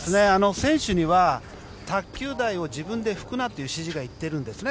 選手には卓球台を自分で拭くなという指示が行っているんですね